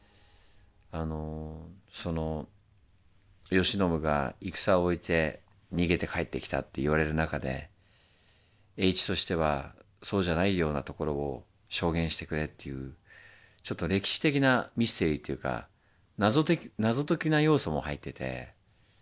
あのその慶喜が戦を終えて逃げて帰ってきたって言われる中で栄一としてはそうじゃないようなところを証言してくれっていうちょっと歴史的なミステリーっていうか謎解きな要素も入ってて。